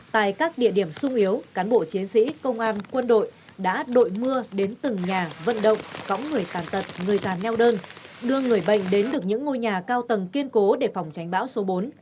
tại các địa điểm sung yếu cán bộ chiến sĩ công an quân đội đã đội mưa đến từng nhà vận động cõng người tàn tật người tàn neo đơn đưa người bệnh đến được những ngôi nhà cao tầng kiên cố để phòng tránh bão số bốn